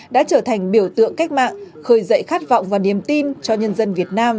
đã trở thành biểu tượng cách mạng khởi dậy khát vọng và niềm tin cho nhân dân việt nam